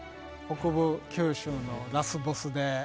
北部九州のラスボスで。